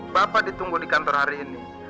bapak ditunggu di kantor hari ini